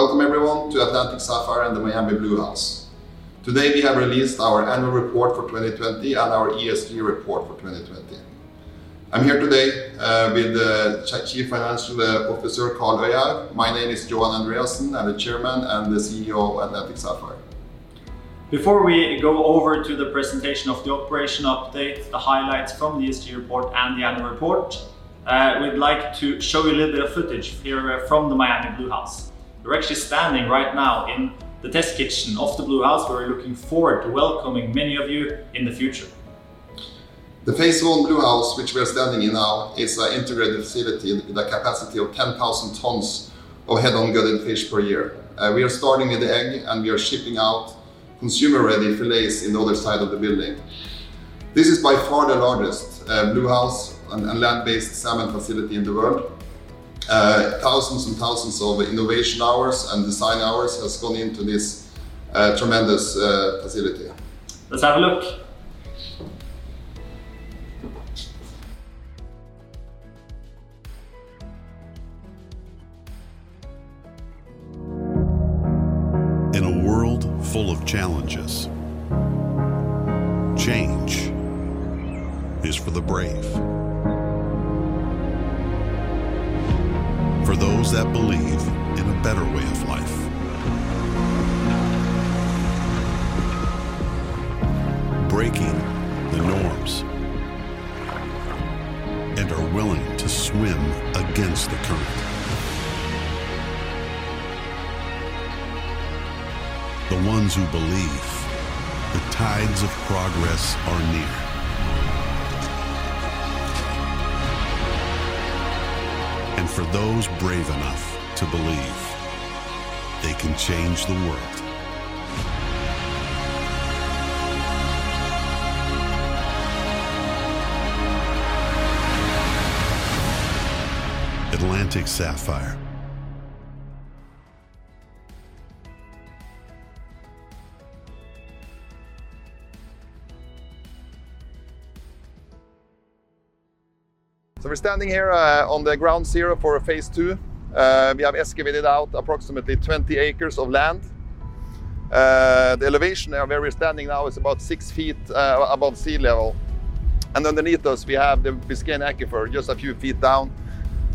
Welcome everyone to Atlantic Sapphire and the Miami Bluehouse. Today we have released our annual report for 2020 and our ESG report for 2020. I'm here today with the Chief Financial Officer, Karl Øystein Øyehaug. My name is Johan Andreassen. I'm the Chairman and the CEO of Atlantic Sapphire. Before we go over to the presentation of the operation update, the highlights from the ESG report, and the annual report, we'd like to show you a little bit of footage here from the Miami Bluehouse. We're actually standing right now in the test kitchen of the Bluehouse. We're looking forward to welcoming many of you in the future. The phase 1 Bluehouse, which we are standing in now, is an integrated facility with a capacity of 10,000 tons of head-on gutted fish per year. We are shipping out consumer-ready filets in the other side of the building. This is by far the largest Bluehouse and land-based salmon facility in the world. Thousands and thousands of innovation hours and design hours has gone into this tremendous facility. Let's have a look. In a world full of challenges, change is for the brave. For those that believe in a better way of life. Breaking the norms and are willing to swim against the current. The ones who believe the tides of progress are near. For those brave enough to believe, they can change the world. Atlantic Sapphire. We're standing here on the ground zero for phase 2. We have excavated out approximately 20 acres of land. The elevation where we're standing now is about 6 feet above sea level. Underneath us we have the Biscayne Aquifer just a few feet down,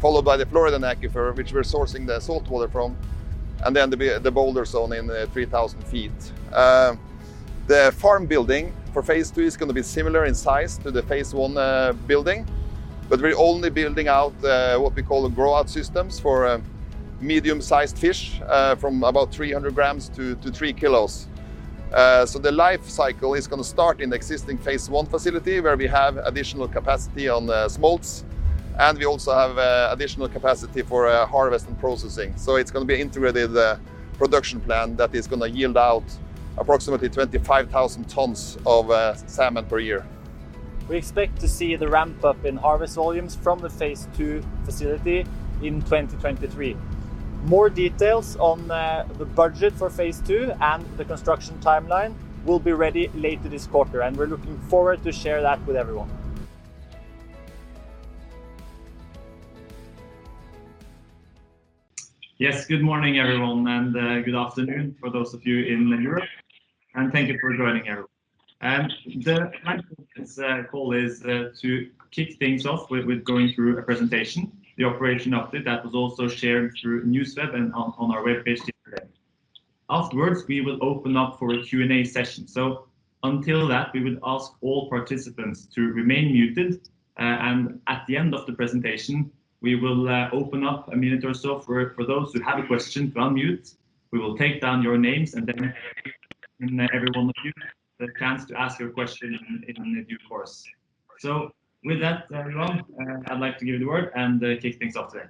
followed by the Floridan Aquifer, which we're sourcing the saltwater from, then the Boulder Zone in at 3,000 feet. The farm building for phase 2 is going to be similar in size to the phase one building, we're only building out what we call the grow out systems for medium-sized fish, from about 300 grams to 3 kilos. The life cycle is going to start in the existing phase 1 facility where we have additional capacity on the smolts, we also have additional capacity for harvest and processing. It's going to be an integrated production plan that is going to yield out approximately 25,000 tons of salmon per year. We expect to see the ramp up in harvest volumes from the Phase 2 facility in 2023. More details on the budget for Phase 2 and the construction timeline will be ready later this quarter. We're looking forward to share that with everyone. Yes, good morning, everyone, and good afternoon for those of you in Europe. Thank you for joining everyone. The plan for this call is to kick things off with going through a presentation, the operation update that was also shared through NewsWeb and on our webpage yesterday. Afterwards, we will open up for a Q&A session. Until that, we would ask all participants to remain muted, and at the end of the presentation, we will open up a minute or so for those who have a question to unmute. We will take down your names and then give every one of you the chance to ask your question in due course. With that, everyone, I'd like to give you the word and kick things off today.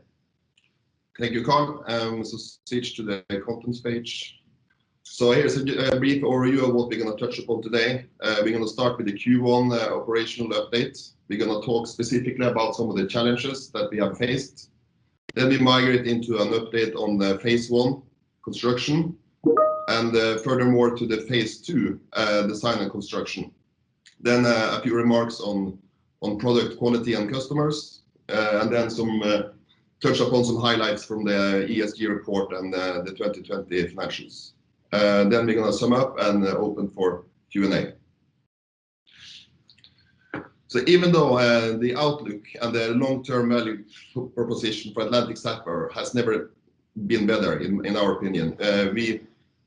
Thank you, Karl. Switch to the content page. Here's a brief overview of what we're going to touch upon today. We're going to start with the Q1 operational update. We're going to talk specifically about some of the challenges that we have faced. We migrate into an update on the phase 1 construction, and furthermore to the phase 2 design and construction. A few remarks on product quality and customers, and then touch upon some highlights from the ESG report and the 2020 financials. We're going to sum up and open for Q&A. Even though the outlook and the long-term value proposition for Atlantic Sapphire has never been better in our opinion, we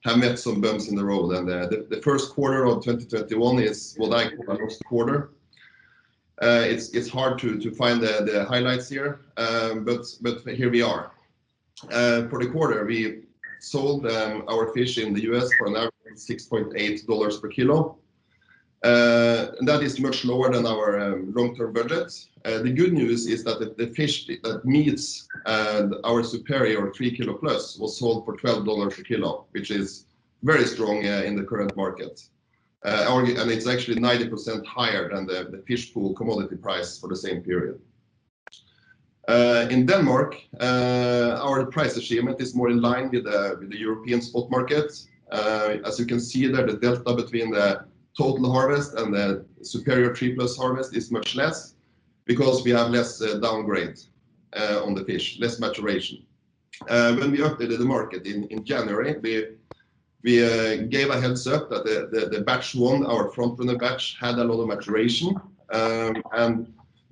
have met some bumps in the road. The first quarter of 2021 is what I call a lost quarter. It's hard to find the highlights here. Here we are. For the quarter, we sold our fish in the U.S. for an average of $6.80 per kilo. That is much lower than our long-term budget. The good news is that the fish that meets our superior, or 3 kilo plus, was sold for $12 a kilo, which is very strong in the current market. It's actually 90% higher than the Fish Pool commodity price for the same period. In Denmark, our price achievement is more in line with the European spot market. As you can see there, the delta between the total harvest and the superior 3-plus harvest is much less because we have less downgrades on the fish, less maturation. When we updated the market in January, we gave a heads-up that the batch 1, our frontrunner batch, had a lot of maturation.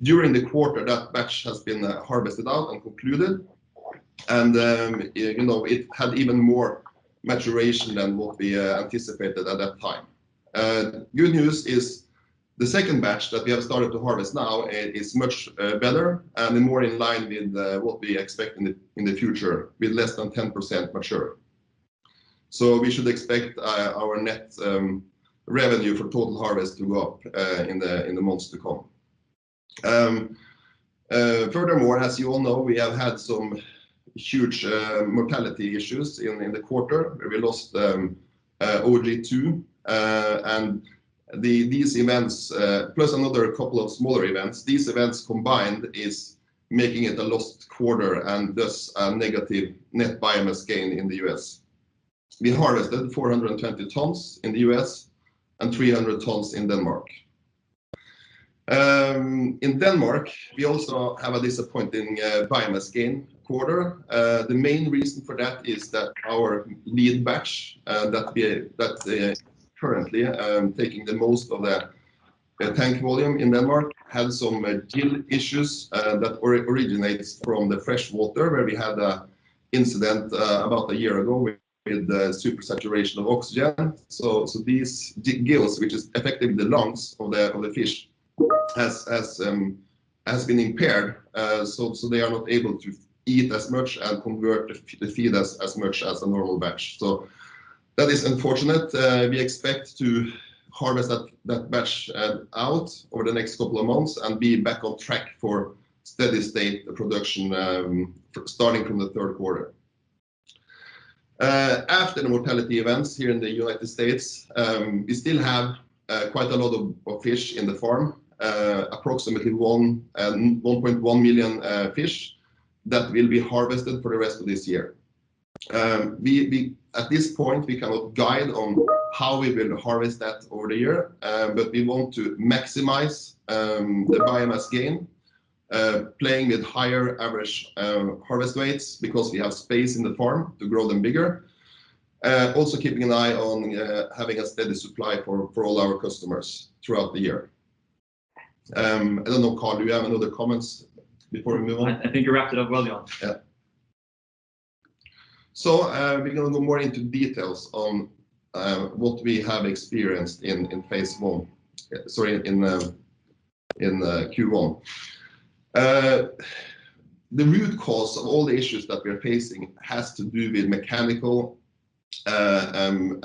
During the quarter, that batch has been harvested out and concluded. It had even more maturation than what we anticipated at that time. Good news is the second batch that we have started to harvest now is much better and more in line with what we expect in the future, with less than 10% mature. We should expect our net revenue for total harvest to go up in the months to come. Furthermore, as you all know, we have had some huge mortality issues in the quarter, where we lost OG2. These events, plus another couple of smaller events, these events combined is making it a lost quarter, and thus a negative net biomass gain in the U.S. We harvested 420 tons in the U.S. and 300 tons in Denmark. In Denmark, we also have a disappointing biomass gain quarter. The main reason for that is that our lead batch, that's currently taking the most of the tank volume in Denmark, had some gill issues that originates from the fresh water, where we had an incident about a year ago with the supersaturation of oxygen. These gills, which is effectively the lungs of the fish, has been impaired. They are not able to eat as much and convert the feed as much as a normal batch. That is unfortunate. We expect to harvest that batch out over the next couple of months and be back on track for steady state production, starting from the 3rd quarter. After the mortality events here in the U.S., we still have quite a lot of fish in the farm. Approximately 1.1 million fish that will be harvested for the rest of this year. At this point, we cannot guide on how we will harvest that over the year. We want to maximize the biomass gain, playing with higher average harvest weights because we have space in the farm to grow them bigger. Also keeping an eye on having a steady supply for all our customers throughout the year. I don't know, Karl, do you have any other comments before we move on? I think you wrapped it up well, Johan Andreassen. Yeah. We're going to go more into details on what we have experienced in Q1. The root cause of all the issues that we are facing has to do with mechanical and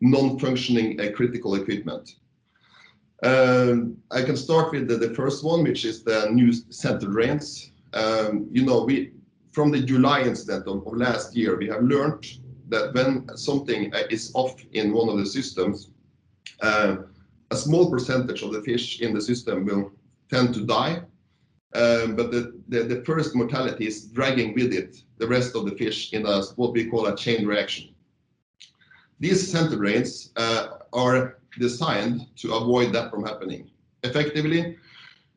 non-functioning critical equipment. I can start with the first one, which is the new center drains. From the July incident of last year, we have learned that when something is off in 1 of the systems, a small % of the fish in the system will tend to die. The first mortality is dragging with it the rest of the fish in what we call a chain reaction. These center drains are designed to avoid that from happening, effectively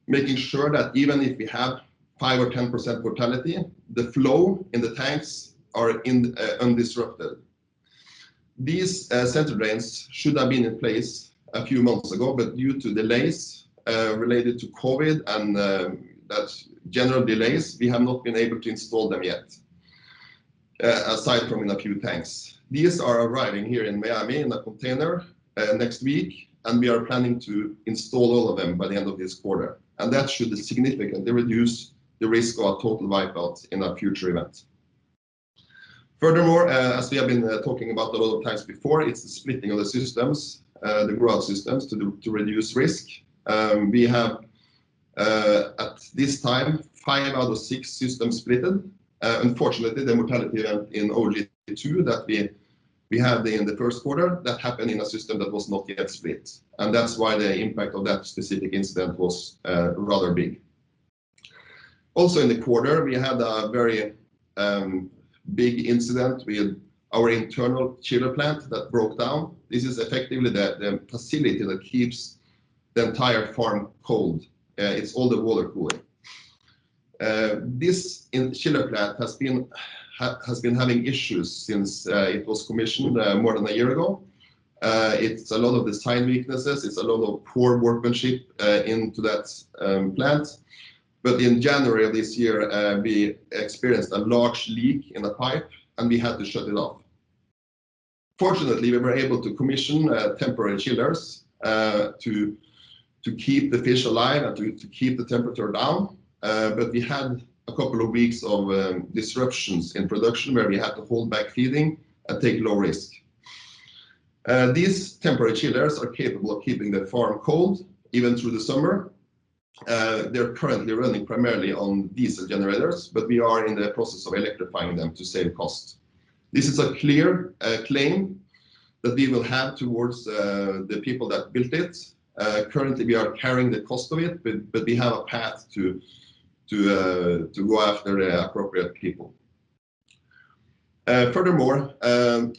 making sure that even if we have 5% or 10% mortality, the flow in the tanks are undisrupted. These center drains should have been in place a few months ago, due to delays related to COVID and general delays, we have not been able to install them yet, aside from in a few tanks. These are arriving here in Miami in a container next week. We are planning to install all of them by the end of this quarter. That should significantly reduce the risk of a total wipeout in a future event. Furthermore, as we have been talking about a lot of times before, it's the splitting of the systems, the growth systems, to reduce risk. We have, at this time, five out of six systems splitted. Unfortunately, the mortality in OG2 that we had in the first quarter, that happened in a system that was not yet split. That's why the impact of that specific incident was rather big. In the quarter, we had a very big incident with our internal chiller plant that broke down. This is effectively the facility that keeps the entire farm cold. It's all the water cooling. This chiller plant has been having issues since it was commissioned more than a year ago. It's a lot of design weaknesses. It's a lot of poor workmanship into that plant. In January of this year, we experienced a large leak in a pipe, and we had to shut it off. Fortunately, we were able to commission temporary chillers to keep the fish alive and to keep the temperature down. We had a couple of weeks of disruptions in production where we had to hold back feeding and take low risk. These temporary chillers are capable of keeping the farm cold, even through the summer. They're currently running primarily on diesel generators, but we are in the process of electrifying them to save cost. This is a clear claim that we will have towards the people that built it. Currently, we are carrying the cost of it, but we have a path to go after the appropriate people. Furthermore,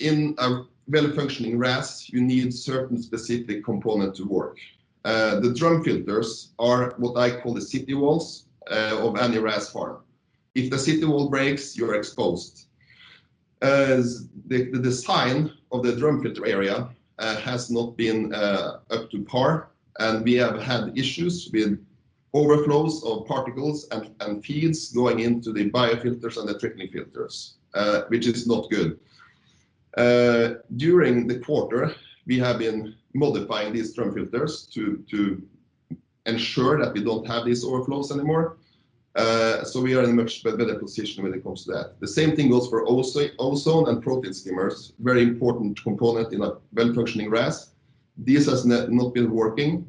in a well-functioning RAS, you need certain specific components to work. The drum filters are what I call the city walls of any RAS farm. If the city wall breaks, you're exposed. As the design of the drum filter area has not been up to par, and we have had issues with overflows of particles and feeds going into the biofilters and the treatment filters, which is not good. During the quarter, we have been modifying these drum filters to ensure that we don't have these overflows anymore. We are in a much better position when it comes to that. The same thing goes for ozone and protein skimmers, very important component in a well-functioning RAS. These has not been working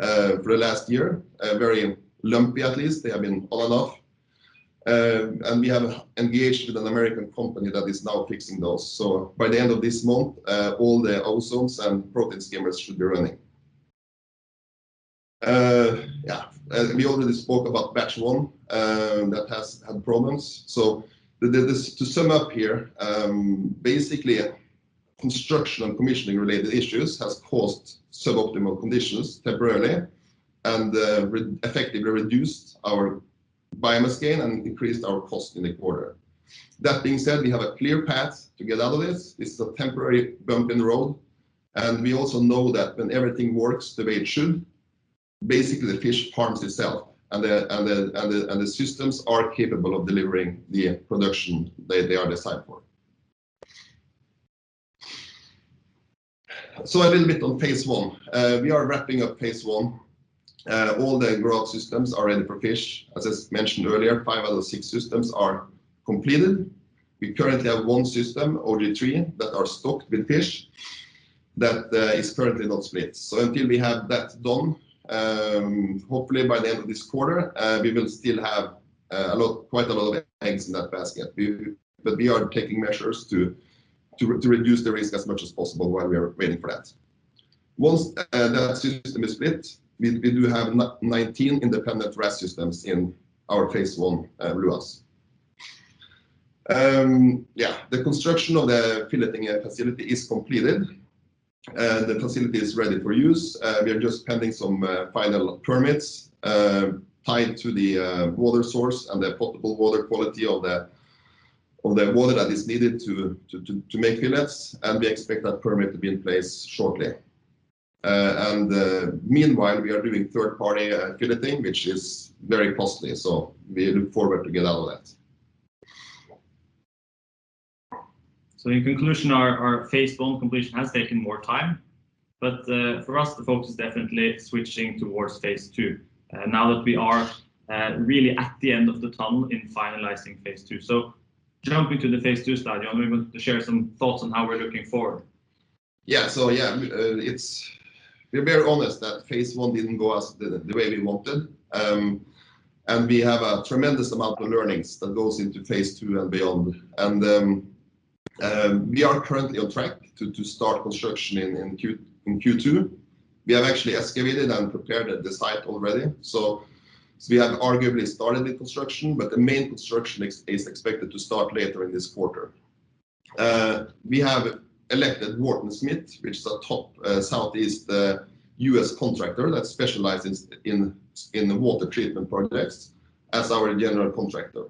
for the last year. Very lumpy at least. They have been on and off. We have engaged with an American company that is now fixing those. By the end of this month, all the ozones and protein skimmers should be running. We already spoke about batch 1 that has had problems. To sum up here, basically, construction and commissioning-related issues has caused suboptimal conditions temporarily, and effectively reduced our biomass gain and increased our cost in the quarter. That being said, we have a clear path to get out of this. This is a temporary bump in the road, and we also know that when everything works the way it should, basically, the fish farms itself, and the systems are capable of delivering the production they are designed for. A little bit on Phase 1. We are wrapping up Phase 1. All the grow-out systems are in for fish. As I mentioned earlier, 5 out of 6 systems are completed. We currently have 1 system, OG3, that are stocked with fish that is currently not split. Until we have that done, hopefully by the end of this quarter, we will still have quite a lot of eggs in that basket. We are taking measures to reduce the risk as much as possible while we are waiting for that. Once that system is split, we do have 19 independent RAS systems in our Phase 1 Bluehouse. Yeah. The construction of the filleting facility is completed. The facility is ready for use. We are just pending some final permits tied to the water source and the potable water quality of the water that is needed to make fillets. We expect that permit to be in place shortly. Meanwhile, we are doing third-party filleting, which is very costly. We look forward to get out of that. In conclusion, our phase 1 completion has taken more time, but for us, the focus is definitely switching towards phase 2 now that we are really at the end of the tunnel in finalizing phase 2. Jumping to the phase 2 study, I'm going to share some thoughts on how we're looking forward. Yeah. We're very honest that phase 1 didn't go the way we wanted. We have a tremendous amount of learnings that goes into phase 2 and beyond. We are currently on track to start construction in Q2. We have actually excavated and prepared the site already, so we have arguably started the construction, but the main construction is expected to start later in this quarter. We have elected Wharton-Smith, which is a top Southeast U.S. contractor that specializes in water treatment projects, as our general contractor.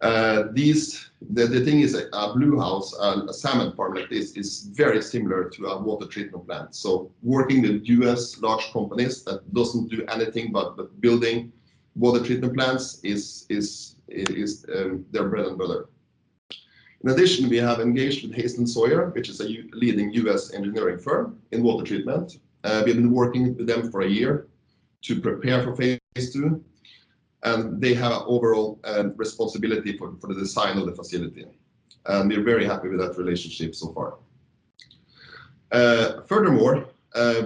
The thing is, a Bluehouse, a salmon farm like this, is very similar to a water treatment plant. Working with U.S. large companies that doesn't do anything but building water treatment plants is their bread and butter. In addition, we have engaged with Hazen and Sawyer, which is a leading U.S. engineering firm in water treatment. We have been working with them for a year to prepare for phase 2. We are very happy with that relationship so far. Furthermore,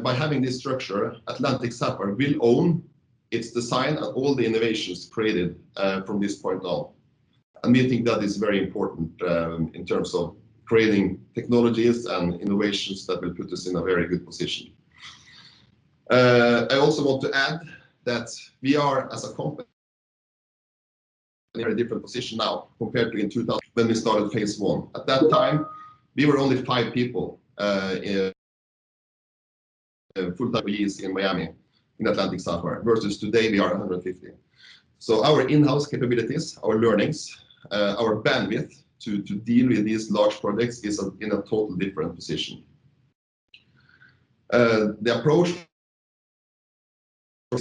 by having this structure, Atlantic Sapphire will own its design and all the innovations created from this point on. We think that is very important in terms of creating technologies and innovations that will put us in a very good position. I also want to add that we are, as a company, in a very different position now compared to in 2000 when we started phase 1. At that time, we were only five people, full-time employees in Miami in Atlantic Sapphire, versus today we are 150. Our in-house capabilities, our learnings, our bandwidth to deal with these large projects is in a total different position. The approach,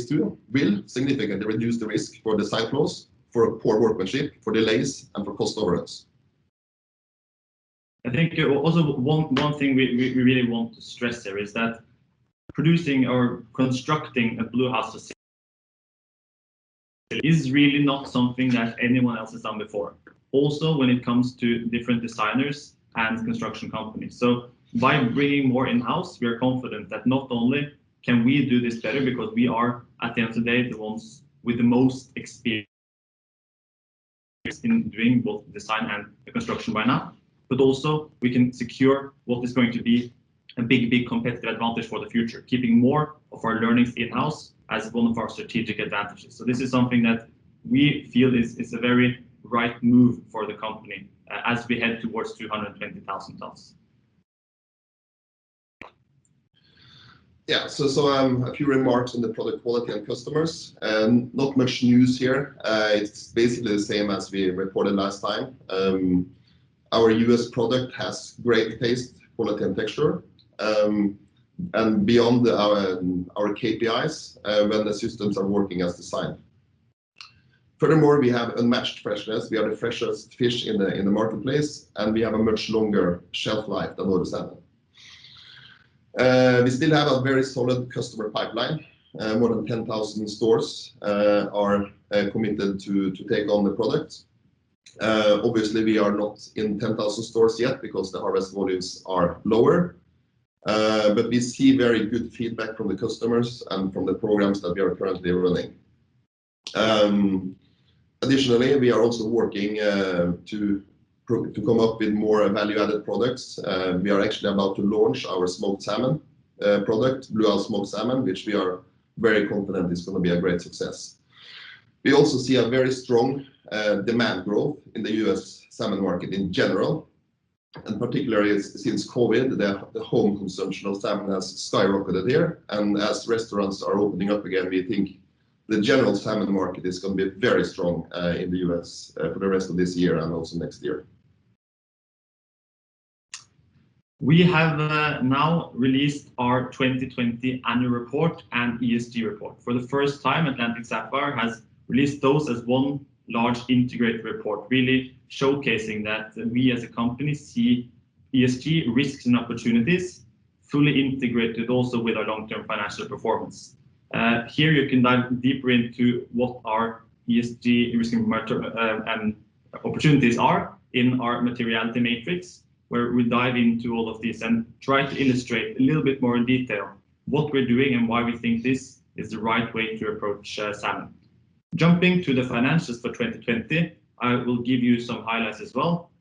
too, will significantly reduce the risk for the site close, for poor workmanship, for delays, and for cost overruns. I think also one thing we really want to stress there is that producing or constructing a Bluehouse facility is really not something that anyone else has done before. When it comes to different designers and construction companies, by bringing more in-house, we are confident that not only can we do this better because we are, at the end of the day, the ones with the most experience in doing both design and construction by now, but also we can secure what is going to be a big, big competitive advantage for the future, keeping more of our learnings in-house as one of our strategic advantages. This is something that we feel is a very right move for the company as we head towards 220,000 tons. Yeah. A few remarks on the product quality and customers. Not much news here. It's basically the same as we reported last time. Our U.S. product has great taste, quality, and texture. Beyond our KPIs, vendor systems are working as designed. Furthermore, we have unmatched freshness. We are the freshest fish in the marketplace, and we have a much longer shelf life than other salmon. We still have a very solid customer pipeline. More than 10,000 stores are committed to take on the product. Obviously, we are not in 10,000 stores yet because the harvest volumes are lower. We see very good feedback from the customers and from the programs that we are currently running. Additionally, we are also working to come up with more value-added products. We are actually about to launch our smoked salmon product, Bluehouse smoked salmon, which we are very confident is going to be a great success. We also see a very strong demand growth in the U.S. salmon market in general. Particularly since COVID, the home consumption of salmon has skyrocketed here, and as restaurants are opening up again, we think the general salmon market is going to be very strong in the U.S. for the rest of this year and also next year. We have now released our 2020 annual report and ESG report. For the first time, Atlantic Sapphire has released those as one large integrated report, really showcasing that we as a company see ESG risks and opportunities fully integrated also with our long-term financial performance. Here you can dive deeper into what our ESG risks and opportunities are in our materiality matrix, where we dive into all of this and try to illustrate a little bit more in detail what we're doing and why we think this is the right way to approach salmon. Jumping to the financials for 2020, I will give you some highlights as well.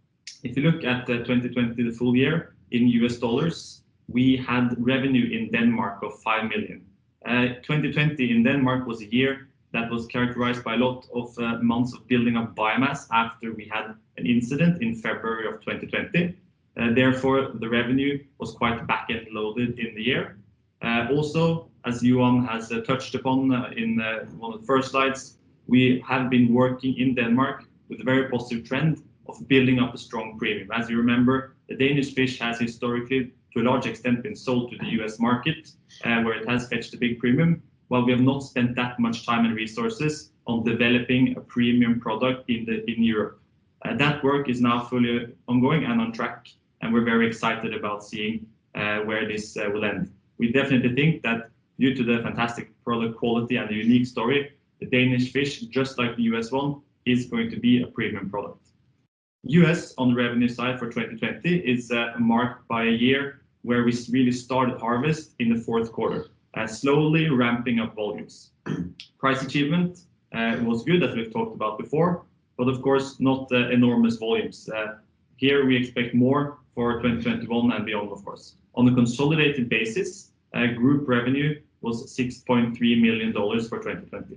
If you look at 2020, the full year in US dollars, we had revenue in Denmark of $5 million. 2020 in Denmark was a year that was characterized by a lot of months of building up biomass after we had an incident in February of 2020. The revenue was quite back-end loaded in the year. As Johan has touched upon in one of the first slides, we have been working in Denmark with a very positive trend of building up a strong premium. As you remember, the Danish fish has historically, to a large extent, been sold to the U.S. market, where it has fetched a big premium, while we have not spent that much time and resources on developing a premium product in Europe. That work is now fully ongoing and on track, and we're very excited about seeing where this will end. We definitely think that due to the fantastic product quality and the unique story, the Danish fish, just like the U.S. one, is going to be a premium product. U.S., on the revenue side for 2020, is marked by a year where we really started harvest in the fourth quarter, slowly ramping up volumes. Price achievement was good, as we've talked about before, but of course, not enormous volumes. Here we expect more for 2021 and beyond, of course. On a consolidated basis, group revenue was $6.3 million for 2020.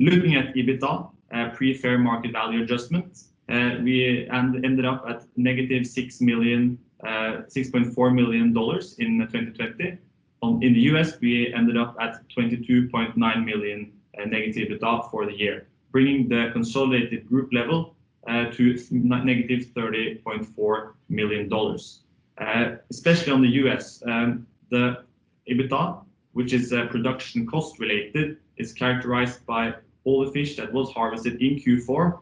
Looking at EBITDA, pre fair market value adjustments, we ended up at negative $6.4 million in 2020. In the U.S., we ended up at $22.9 million negative EBITDA for the year, bringing the consolidated group level to negative $30.4 million. Especially on the U.S., the EBITDA, which is production cost related, is characterized by all the fish that was harvested in Q4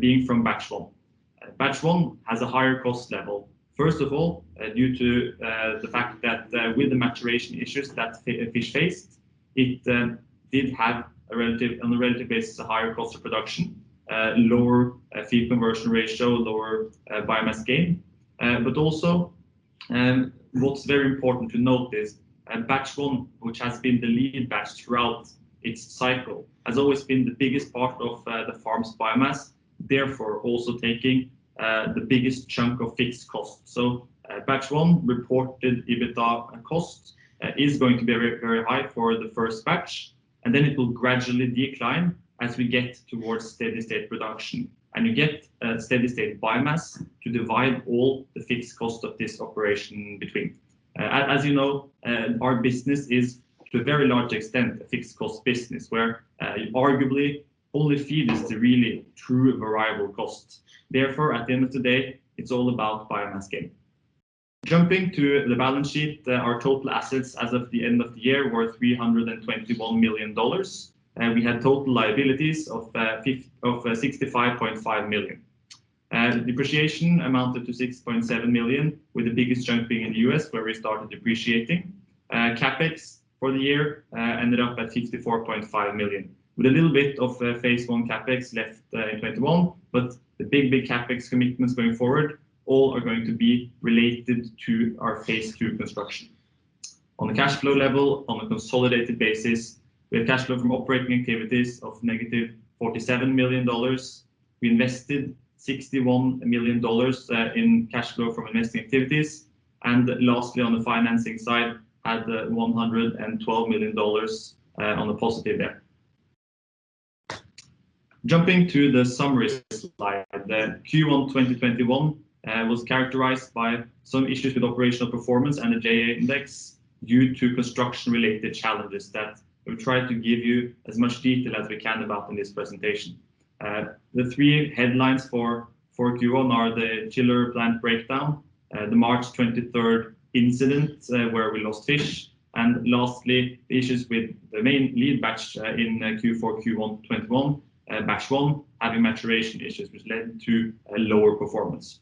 being from batch 1. Batch 1 has a higher cost level. First of all, due to the fact that with the maturation issues that fish faced, it did have, on a relative basis, a higher cost of production, lower feed conversion ratio, lower biomass gain. Also, what's very important to notice, batch 1, which has been the leading batch throughout its cycle, has always been the biggest part of the farm's biomass, therefore also taking the biggest chunk of fixed cost. Batch 1 reported EBITDA cost is going to be very, very high for the first batch, and then it will gradually decline as we get towards steady state production and you get steady state biomass to divide all the fixed cost of this operation between. As you know, our business is, to a very large extent, a fixed cost business where arguably only feed is the really true variable cost. Therefore, at the end of the day, it's all about biomass gain. Jumping to the balance sheet, our total assets as of the end of the year were NOK 321 million. We had total liabilities of 65.5 million. Depreciation amounted to 6.7 million, with the biggest chunk being in the U.S., where we started depreciating. CapEx for the year ended up at 64.5 million, with a little bit of Phase 1 CapEx left in 2021. The big CapEx commitments going forward all are going to be related to our Phase 2 construction. On the cash flow level, on a consolidated basis, we have cash flow from operating activities of negative NOK 47 million. We invested NOK 61 million in cash flow from investing activities. Lastly, on the financing side, had the $112 million on the positive end. Jumping to the summaries slide. Q1 2021 was characterized by some issues with operational performance and the GA Index due to construction related challenges that we've tried to give you as much detail as we can about in this presentation. The three headlines for Q1 are the chiller plant breakdown, the March 23rd incident where we lost fish, and lastly, the issues with the main lead batch in Q4, Q1 2021, batch one, having maturation issues, which led to a lower performance.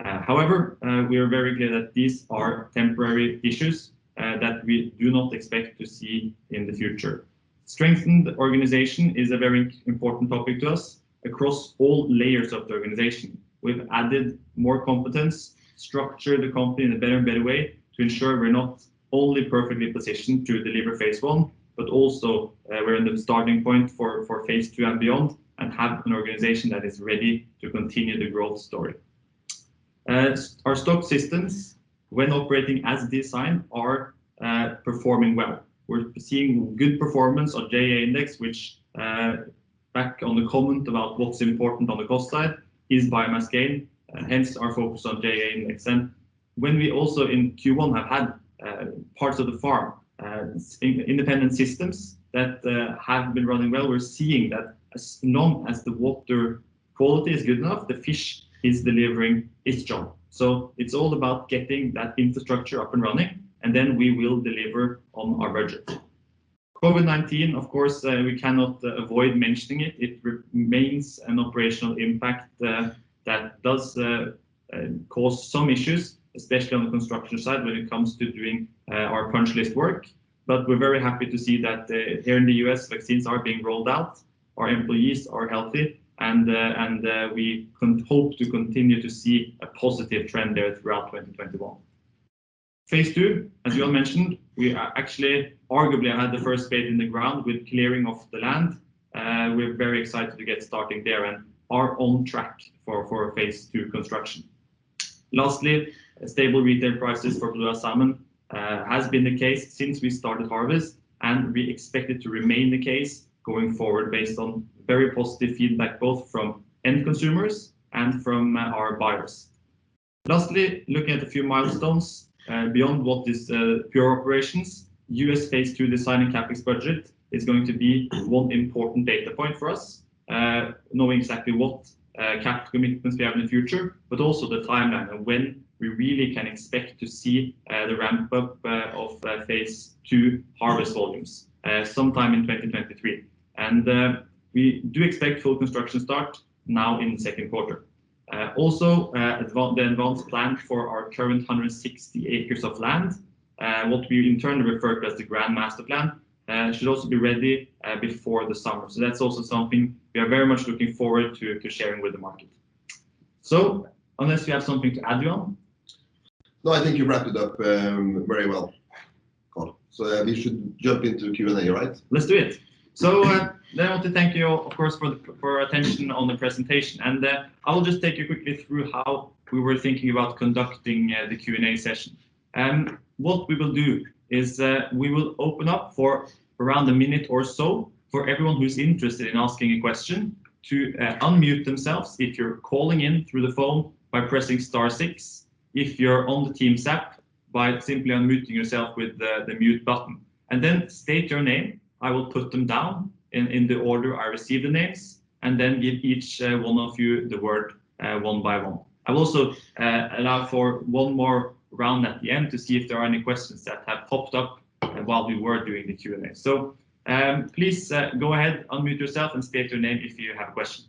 However, we are very clear that these are temporary issues that we do not expect to see in the future. Strengthen the organization is a very important topic to us across all layers of the organization. We've added more competence, structured the company in a better way to ensure we're not only perfectly positioned to deliver Phase 1, but also we're in the starting point for Phase 2 and beyond, and have an organization that is ready to continue the growth story. Our stock systems, when operating as designed, are performing well. We're seeing good performance on GA Index, which, back on the comment about what's important on the cost side, is biomass gain, hence our focus on GA Index. When we also in Q1 have had parts of the farm, independent systems that have been running well, we're seeing that as long as the water quality is good enough, the fish is delivering its job. It's all about getting that infrastructure up and running, and then we will deliver on our budget. COVID-19, of course, we cannot avoid mentioning it. It remains an operational impact that does cause some issues, especially on the construction side when it comes to doing our punch list work. We're very happy to see that here in the U.S., vaccines are being rolled out, our employees are healthy, and we can hope to continue to see a positive trend there throughout 2021. Phase Two, as Johan mentioned, we are actually arguably had the first spade in the ground with clearing of the land. We're very excited to get starting there and are on track for Phase Two construction. Lastly, stable retail prices for Bluehouse Salmon has been the case since we started harvest, and we expect it to remain the case going forward based on very positive feedback, both from end consumers and from our buyers. Lastly, looking at a few milestones beyond what is pure operations, U.S. Phase 2 design and CapEx budget is going to be one important data point for us, knowing exactly what CapEx commitments we have in the future, but also the timeline of when we really can expect to see the ramp up of Phase 2 harvest volumes, sometime in 2023. We do expect full construction start now in the second quarter. The advanced plan for our current 160 acres of land, what we in turn referred to as the grand master plan, should also be ready before the summer. That's also something we are very much looking forward to sharing with the market. Unless you have something to add, Johan Andreassen? No, I think you wrapped it up very well, Karl. We should jump into Q&A, right? I want to thank you all, of course, for your attention on the presentation. I will just take you quickly through how we were thinking about conducting the Q&A session. What we will do is we will open up for around a minute or so for everyone who's interested in asking a question to unmute themselves, if you're calling in through the phone, by pressing star six, if you're on the Teams app, by simply unmuting yourself with the mute button. State your name. I will put them down in the order I receive the names, then give each one of you the word one by one. I'll also allow for one more round at the end to see if there are any questions that have popped up while we were doing the Q&A. Please go ahead, unmute yourself, and state your name if you have a question.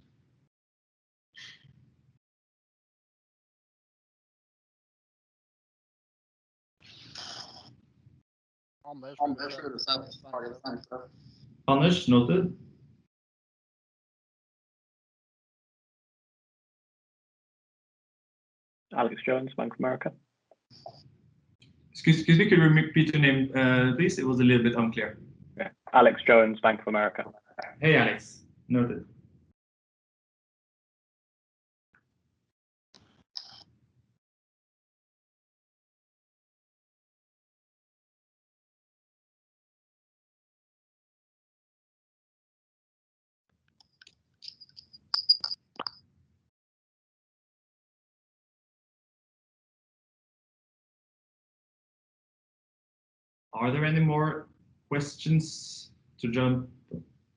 Hamish here with Sapphire. Thanks, Karl. Hamish, noted. Alexander Jones, Bank of America. Excuse me, could you repeat your name please? It was a little bit unclear. Yeah. Alexander Jones, Bank of America. Hey, Alex. Noted. Are there any more questions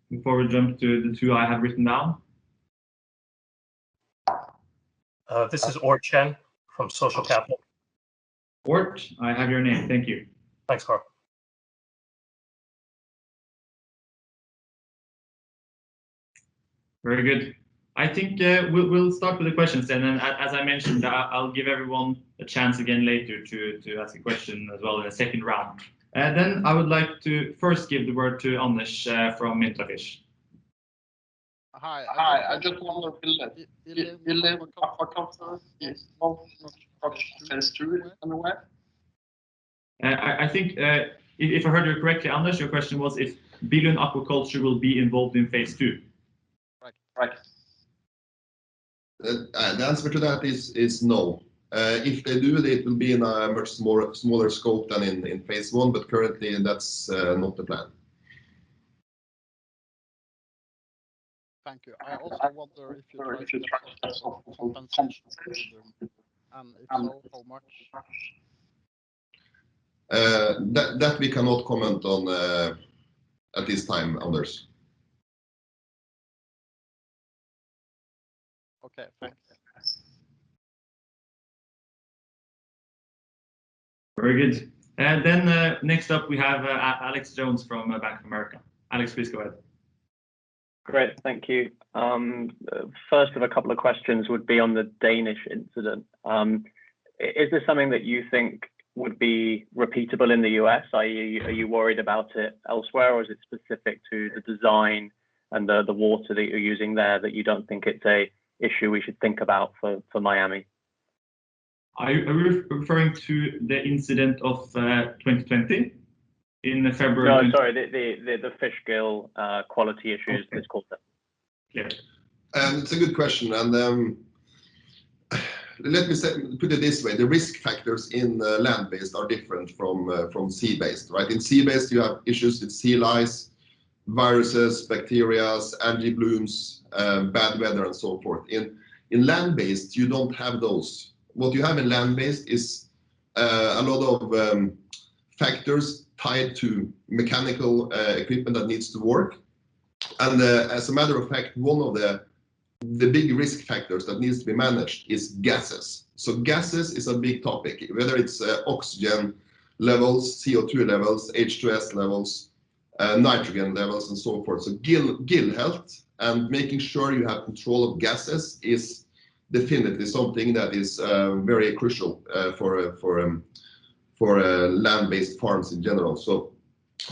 before we jump to the 2 I have written down? This is Ort Chen from Social Capital. Ort, I have your name. Thank you. Thanks, Karl. Very good. I think we'll start with the questions, and as I mentioned, I'll give everyone a chance again later to ask a question as well in a second round. I would like to first give the word to Anders from IntraFish. Hi. I just wonder, Wille, will Billund Aquaculture be involved in phase two in a way? I think, if I heard you correctly, Anders, your question was if Billund Aquaculture will be involved in phase 2. Right. The answer to that is no. If they do, it will be in a much smaller scope than in phase one, but currently that's not the plan. Thank you. I also wonder if you know how much. That we cannot comment on at this time, Anders. Okay, thanks. Very good. Next up we have Alexander Jones from Bank of America. Alex, please go ahead. Great. Thank you. First of a couple of questions would be on the Danish incident. Is this something that you think would be repeatable in the U.S., i.e., are you worried about it elsewhere, or is it specific to the design and the water that you're using there that you don't think it's a issue we should think about for Miami? Are you referring to the incident of 2020 in February? No, I'm sorry, the fish gill quality issues this quarter. Okay. Yeah. It's a good question. Let me put it this way. The risk factors in land-based are different from sea-based, right? In sea-based, you have issues with sea lice, viruses, bacteria, algae blooms, bad weather, and so forth. In land-based, you don't have those. What you have in land-based is a lot of factors tied to mechanical equipment that needs to work. As a matter of fact, one of the big risk factors that needs to be managed is gases. Gases is a big topic, whether it's oxygen levels, CO2 levels, H2S levels, nitrogen levels, and so forth. Gill health and making sure you have control of gases is definitely something that is very crucial for land-based farms in general.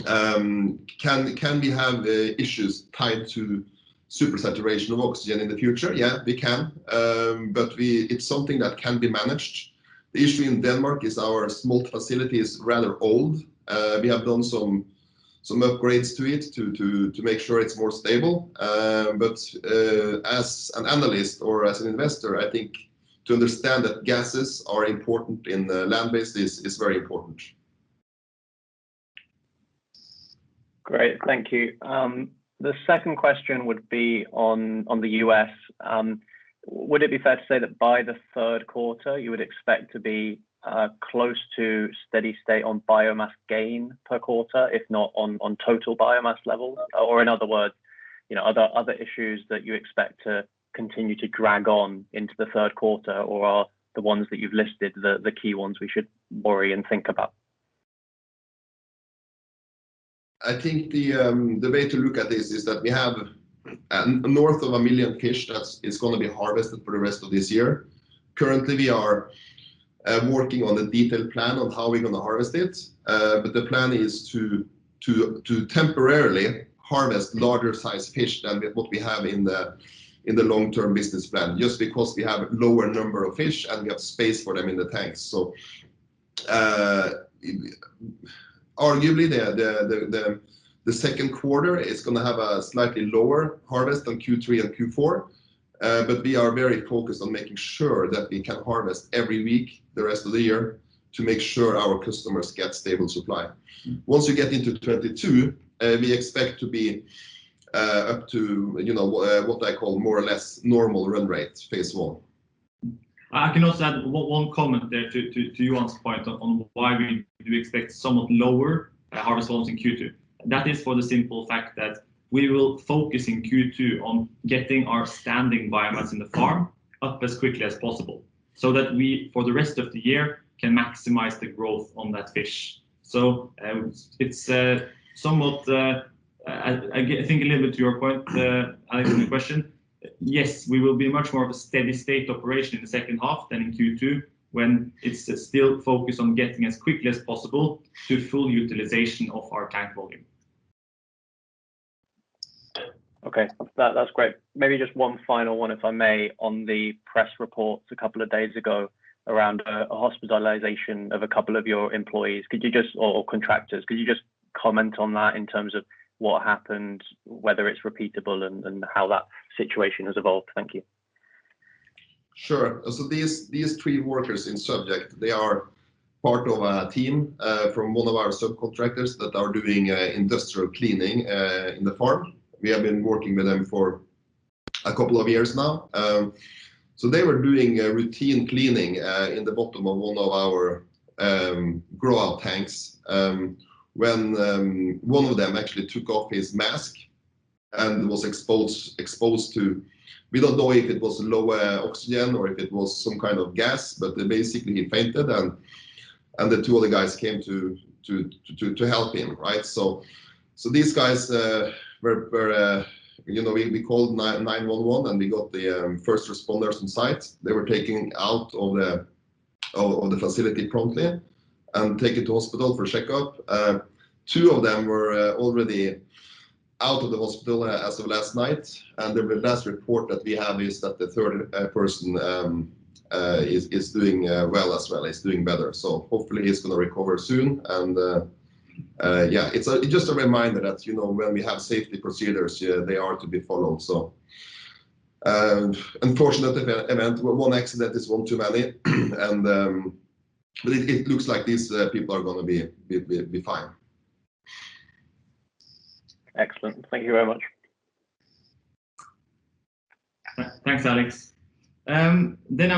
Can we have issues tied to supersaturation of oxygen in the future? Yeah, we can, but it's something that can be managed. The issue in Denmark is our smolt facility is rather old. We have done some upgrades to it to make sure it's more stable. As an analyst or as an investor, I think to understand that gases are important in land-based is very important. Great. Thank you. The second question would be on the U.S. Would it be fair to say that by the third quarter, you would expect to be close to steady state on biomass gain per quarter, if not on total biomass levels? In other words, are there other issues that you expect to continue to drag on into the third quarter, or are the ones that you've listed the key ones we should worry and think about? I think the way to look at this is that we have north of 1 million fish that is going to be harvested for the rest of this year. Currently, we are working on the detailed plan on how we're going to harvest it. The plan is to temporarily harvest larger size fish than what we have in the long-term business plan, just because we have a lower number of fish and we have space for them in the tanks. Arguably, the second quarter is going to have a slightly lower harvest than Q3 and Q4. We are very focused on making sure that we can harvest every week the rest of the year to make sure our customers get stable supply. Once we get into 2022, we expect to be up to what I call more or less normal run rates, phase 1. I can also add one comment there to your point on why we expect somewhat lower harvest volumes in Q2. That is for the simple fact that we will focus in Q2 on getting our standing biomass in the farm up as quickly as possible so that we, for the rest of the year, can maximize the growth on that fish. It's somewhat, I think a little bit to your point, Alexander Jones, in the question, yes, we will be much more of a steady state operation in the second half than in Q2 when it's still focused on getting as quickly as possible to full utilization of our tank volume. Okay. That's great. Maybe just one final one, if I may, on the press reports a couple of days ago around a hospitalization of a couple of your employees or contractors. Could you just comment on that in terms of what happened, whether it is repeatable, and how that situation has evolved? Thank you. Sure. These three workers in subject, they are part of a team from one of our subcontractors that are doing industrial cleaning in the farm. We have been working with them for a couple of years now. They were doing routine cleaning in the bottom of one of our grow out tanks, when one of them actually took off his mask and was exposed to, we don't know if it was lower oxygen or if it was some kind of gas, but basically he fainted and the two other guys came to help him, right? We called 911, and we got the first responders on site. They were taken out of the facility promptly and take it to hospital for a checkup. Two of them were already out of the hospital as of last night, and the last report that we have is that the third person is doing well as well. He's doing better, so hopefully he's going to recover soon. Yeah, it's just a reminder that when we have safety procedures here, they are to be followed. Unfortunate event. One accident is one too many, but it looks like these people are going to be fine. Excellent. Thank you very much. Thanks, Alex. I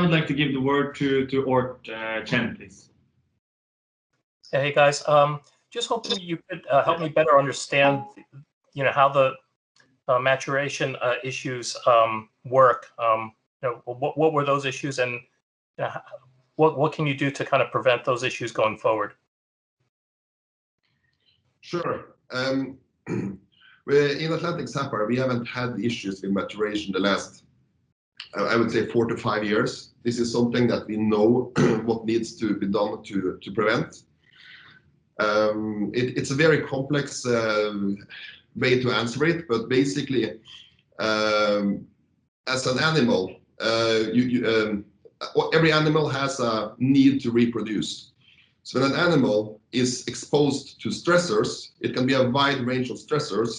would like to give the word to Ort Chen, please. Hey, guys. Just hoping you could help me better understand how the maturation issues work. What were those issues, and what can you do to prevent those issues going forward? Sure. In Atlantic Sapphire, we haven't had issues with maturation the last, I would say four-five years. This is something that we know what needs to be done to prevent. Basically, every animal has a need to reproduce. When an animal is exposed to stressors, it can be a wide range of stressors,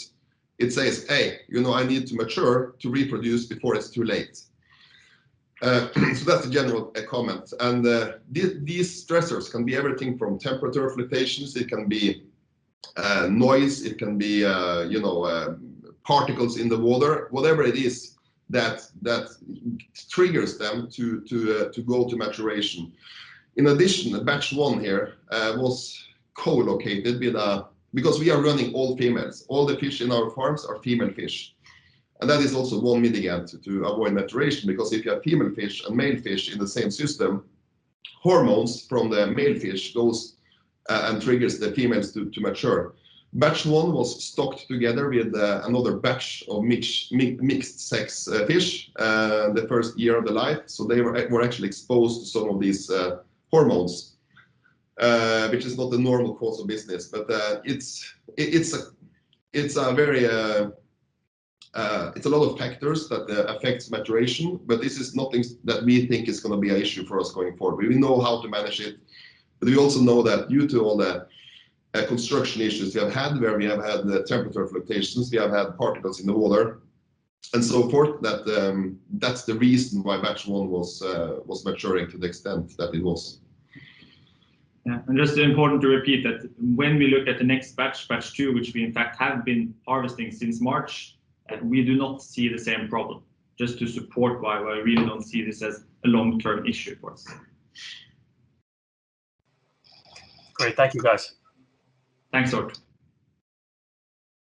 it says, "Hey, I need to mature to reproduce before it's too late." That's the general comment. These stressors can be everything from temperature fluctuations. It can be noise. It can be particles in the water. Whatever it is that triggers them to go to maturation. In addition, batch 1 here was co-located with a because we are running all females. All the fish in our farms are female fish. That is also one mitigant to avoid maturation, because if you have female fish and male fish in the same system, hormones from the male fish goes and triggers the females to mature. Batch 1 was stocked together with another batch of mixed sex fish the first year of the life. They were actually exposed to some of these hormones, which is not the normal course of business. It's a lot of factors that affects maturation, but this is nothing that we think is going to be an issue for us going forward. We know how to manage it, but we also know that due to all the construction issues we have had, where we have had the temperature fluctuations, we have had particles in the water, and so forth, that's the reason why Batch 1 was maturing to the extent that it was. Yeah. Just important to repeat that when we look at the next batch 2, which we in fact have been harvesting since March, we do not see the same problem. Just to support why we really don't see this as a long-term issue for us. Great. Thank you, guys. Thanks, Or Chen.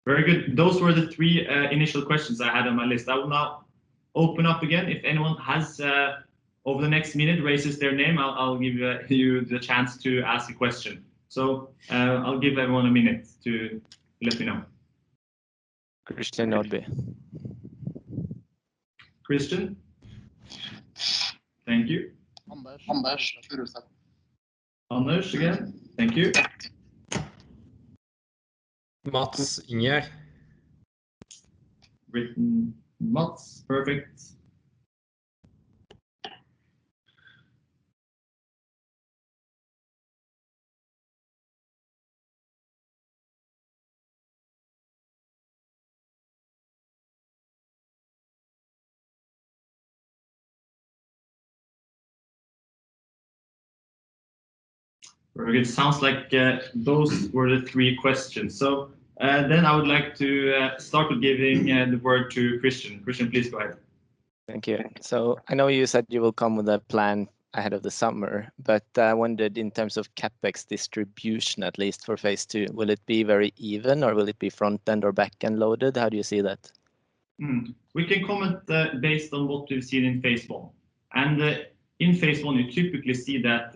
Very good. Those were the three initial questions I had on my list. I will now open up again. If anyone, over the next one minute, raises their name, I'll give you the chance to ask a question. I'll give everyone one minute to let me know. Christian Nordby. Christian? Thank you. Anders Furuseth. Anders again. Thank you. Mads Ingier. Written. Mads, perfect. Very good. Sounds like those were the three questions. I would like to start with giving the word to Christian. Christian, please go ahead. Thank you. I know you said you will come with a plan ahead of the summer, but I wondered in terms of CapEx distribution, at least for phase two, will it be very even, or will it be front-end or back-end loaded? How do you see that? We can comment based on what we've seen in phase one. In phase one, you typically see that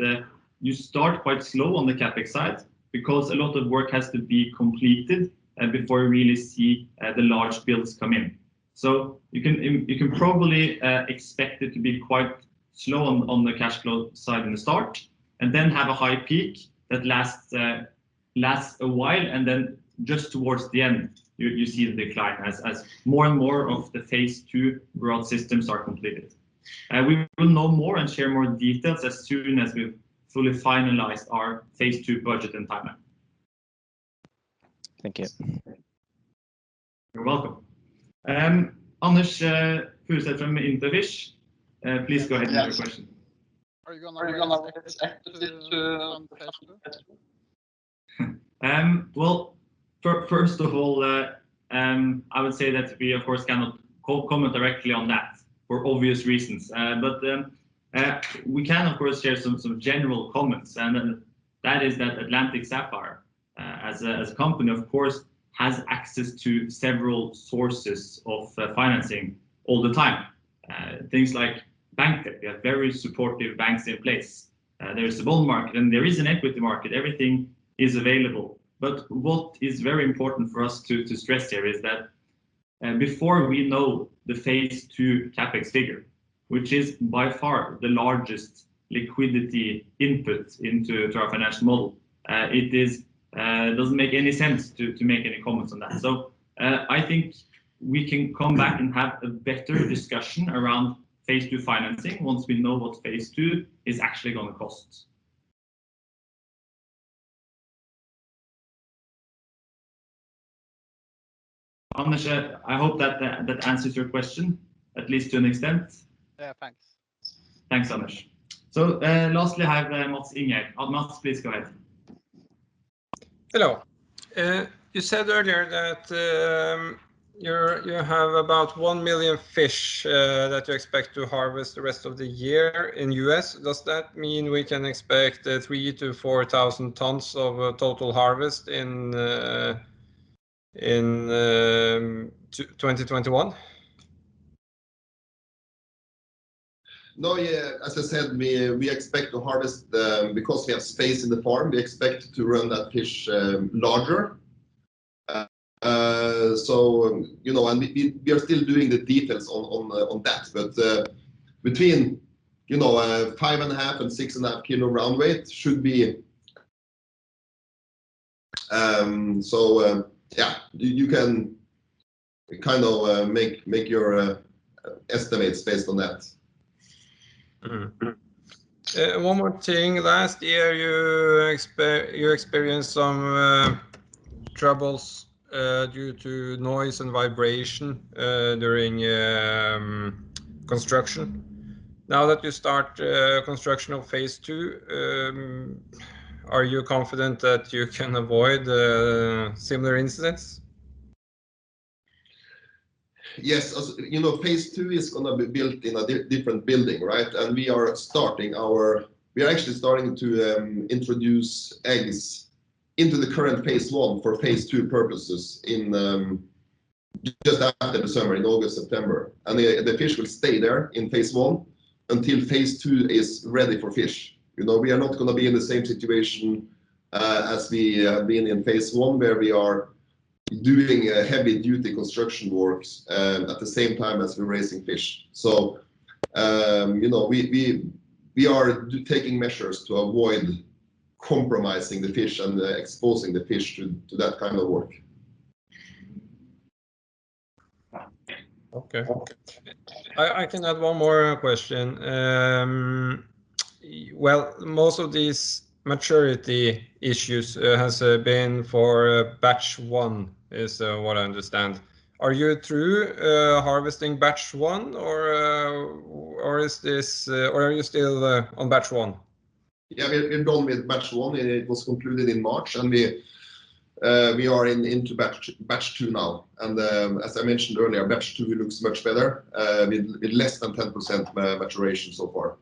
you start quite slow on the CapEx side because a lot of work has to be completed, and before you really see the large builds come in. You can probably expect it to be quite slow on the cash flow side in the start, and then have a high peak that lasts a while, and then just towards the end, you see the decline as more and more of the phase two growth systems are completed. We will know more and share more details as soon as we've fully finalized our phase two budget and timeline. Thank you. You're welcome. Anders Furuseth from IntraFish, please go ahead with your question. Are you going to release equity to fund phase II? Well, first of all, I would say that we, of course, cannot comment directly on that for obvious reasons. We can, of course, share some general comments, and that is that Atlantic Sapphire, as a company, of course, has access to several sources of financing all the time. Things like bank. We have very supportive banks in place. There is the bond market, and there is an equity market. Everything is available. What is very important for us to stress here is that before we know the phase 2 CapEx figure, which is by far the largest liquidity input into our financial model, it doesn't make any sense to make any comments on that. I think we can come back and have a better discussion around phase 2 financing once we know what phase 2 is actually going to cost. Anders Furuseth, I hope that answers your question at least to an extent. Yeah. Thanks. Thanks, Hamish. Lastly, I have Mads Ingier. Mads, please go ahead. Hello. You said earlier that you have about 1 million fish that you expect to harvest the rest of the year in the U.S. Does that mean we can expect 3,000-4,000 tons of total harvest in 2021? No. As I said, because we have space in the farm, we expect to run that fish larger. We are still doing the details on that. Between 5.5 and 6.5 kg round weight should be. Yeah, you can make your estimates based on that. One more thing. Last year, you experienced some troubles due to noise and vibration during construction. Now that you start construction of phase 2, are you confident that you can avoid similar incidents? Yes. Phase 2 is going to be built in a different building, right? We are actually starting to introduce eggs into the current phase 1 for phase 2 purposes just after the summer, in August, September. The fish will stay there in phase 1 until phase 2 is ready for fish. We are not going to be in the same situation as we have been in phase 1, where we are doing heavy duty construction works at the same time as we're raising fish. We are taking measures to avoid compromising the fish and exposing the fish to that kind of work. Okay. I can add one more question. Well, most of these maturity issues has been for batch 1, is what I understand. Are you through harvesting batch 1, or are you still on batch 1? Yeah, we're done with batch 1. It was concluded in March. We are into batch 2 now. As I mentioned earlier, batch 2 looks much better, with less than 10% maturation so far.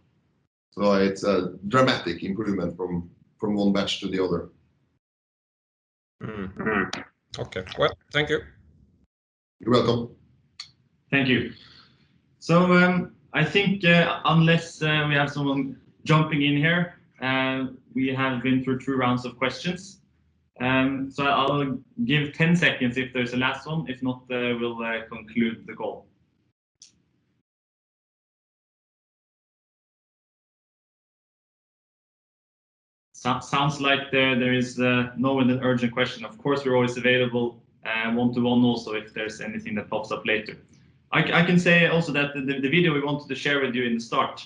It's a dramatic improvement from 1 batch to the other. Mm-hmm. Okay. Well, thank you. You're welcome. Thank you. Unless we have someone jumping in here, we have been through two rounds of questions. I'll give 10 seconds if there's a last one. If not, we'll conclude the call. Sounds like there is no other urgent question. Of course, we're always available one-to-one also, if there's anything that pops up later. I can say also that the video we wanted to share with you in the start,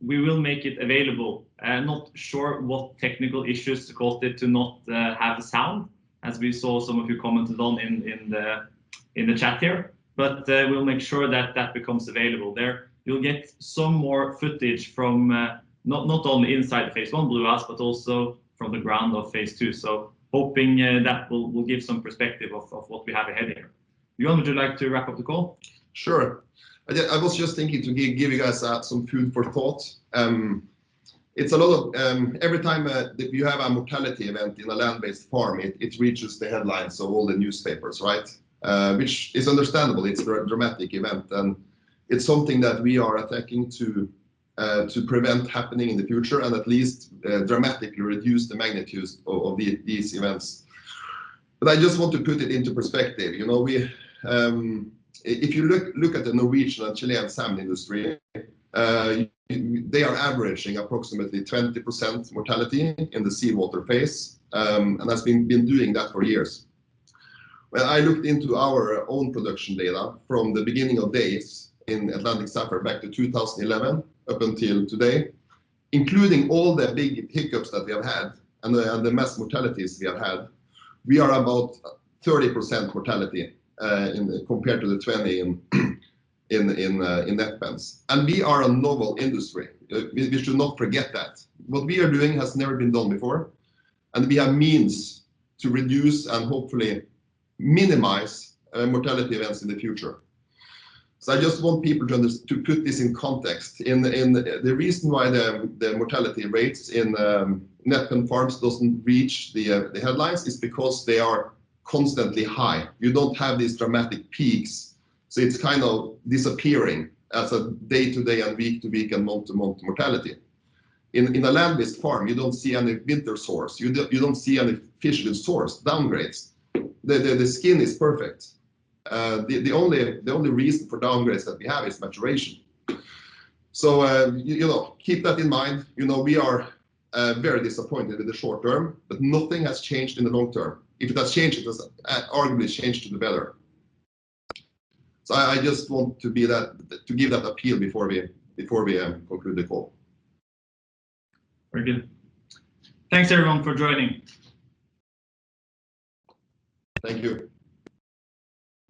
we will make it available. Not sure what technical issues caused it to not have sound, as we saw some of you commented on in the chat here. We'll make sure that that becomes available there. You'll get some more footage from not only inside the phase 1 Bluehouse, but also from the ground of phase 2. Hoping that will give some perspective of what we have ahead here. Jon, would you like to wrap up the call? Sure. I was just thinking to give you guys some food for thought. Every time that you have a mortality event in a land-based farm, it reaches the headlines of all the newspapers, right? Which is understandable. It's a very dramatic event, and it's something that we are attacking to prevent happening in the future and at least dramatically reduce the magnitudes of these events. I just want to put it into perspective. If you look at the Norwegian and Chilean salmon industry, they are averaging approximately 20% mortality in the seawater phase, and has been doing that for years. When I looked into our own production data from the beginning of days in Atlantic Sapphire back to 2011 up until today, including all the big hiccups that we have had and the mass mortalities we have had, we are about 30% mortality, compared to the 20% in net pens. We are a novel industry. We should not forget that. What we are doing has never been done before, and we have means to reduce and hopefully minimize mortality events in the future. I just want people to put this in context. The reason why the mortality rates in net pen farms doesn't reach the headlines is because they are constantly high. You don't have these dramatic peaks, so it's kind of disappearing as a day-to-day and week-to-week and month-to-month mortality. In a land-based farm, you don't see any winter sores. You don't see any fish with sore downgrades. The skin is perfect. The only reason for downgrades that we have is maturation. Keep that in mind. We are very disappointed in the short term, but nothing has changed in the long term. If it has changed, it has arguably changed for the better. I just want to give that appeal before we conclude the call. Very good. Thanks everyone for joining. Thank you.